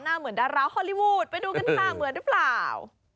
เหมือนดาราฮอลลี่วูดไปดูกันค่ะเหมือนหรือเปล่า